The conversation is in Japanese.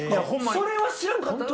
それは知らんかった！